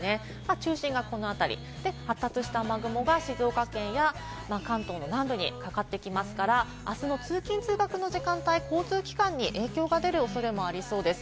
中心がこの辺り、発達した雨雲が静岡県や関東の南部にかかってきますから、あすの通勤・通学の時間帯、公共交通機関に影響が出る恐れがあります。